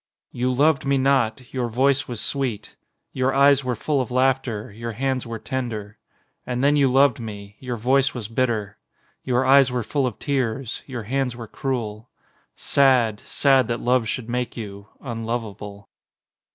You loved me not: your voice was sweet; Your eyes were full of laughter; your hands were tender. And then you loved me: your voice was bitter; Your eyes were full of tears; your hands were cruel. Sad, sad that love should make you Unlovable.